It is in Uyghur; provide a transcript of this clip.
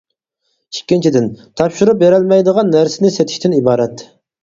ئىككىنچىدىن: تاپشۇرۇپ بېرەلمەيدىغان نەرسىنى سېتىشتىن ئىبارەت.